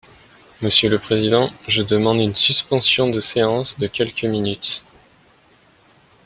Monsieur le président, je demande une suspension de séance de quelques minutes.